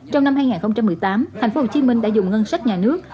trong năm hai nghìn một mươi tám thành phố hồ chí minh đã dùng ngân sách nhà nước